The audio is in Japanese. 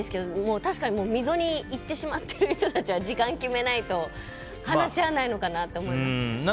確かに溝に行ってしまっている人たちは時間決めないと話し合わないのかなと思います。